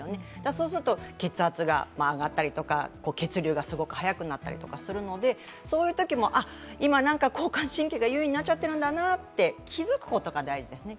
そうすると血圧が上がったり、血流がすごく速くなったりするのでそういうときも、今、交感神経が優位になっちゃってるんだなと気付くことが大事ですね。